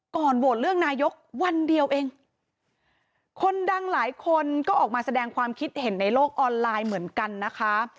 ก่อนโหวตเลือกนายกวันเดียวเองคนดังหลายคนก็ออกมาแสดงความคิดเห็นในโลกออนไลน์เหมือนกันนะคะ